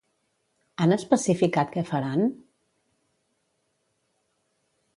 Han especificat què faran?